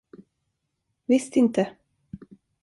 Visst inte!